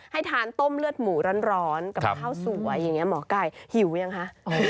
อ๋อหลบจนนิดนึงนะ